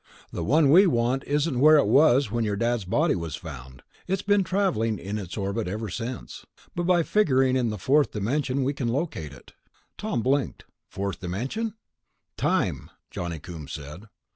The one we want isn't where it was when your Dad's body was found ... it's been travelling in its orbit ever since. But by figuring in the fourth dimension, we can locate it." Tom blinked. "Fourth dimension?" "Time," Johnny Coombs said.